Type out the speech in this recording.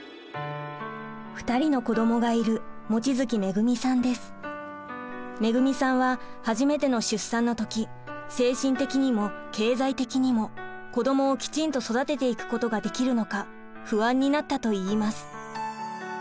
２人の子どもがいる恵さんは初めての出産のとき精神的にも経済的にも子どもをきちんと育てていくことができるのか不安になったといいます。